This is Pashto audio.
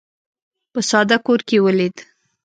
په ساده کور کې ولید.